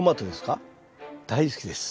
大好きです。